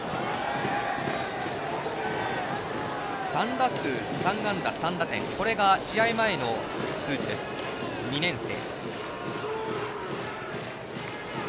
３打数３安打３打点これが試合前の数字です、２年生。